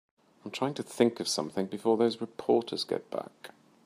I'm trying to think of something before those reporters get back.